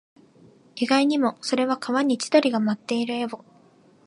意外にも、それは川に千鳥が舞っている絵を